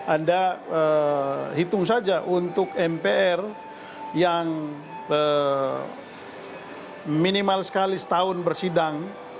anda hitung saja untuk mpr yang minimal sekali setahun bersidang